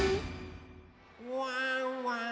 ワンワン